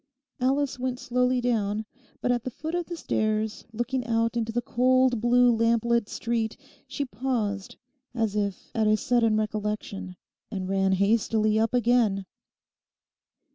Alice went slowly down, but at the foot of the stairs, looking out into the cold, blue, lamplit street she paused as if at a sudden recollection, and ran hastily up again.